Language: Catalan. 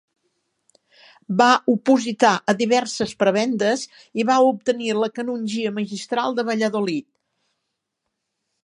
Va opositar a diverses prebendes i va obtenir la canongia magistral de Valladolid.